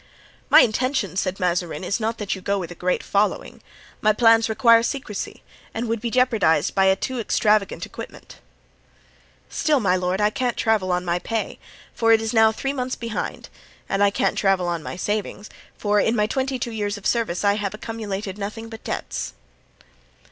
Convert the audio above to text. "My intention," said Mazarin, "is not that you go with a great following; my plans require secrecy, and would be jeopardized by a too extravagant equipment." "Still, my lord, I can't travel on my pay, for it is now three months behind; and I can't travel on my savings, for in my twenty two years of service I have accumulated nothing but debts."